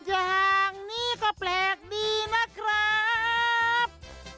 อย่างนี้ก็แปลกดีนะครับ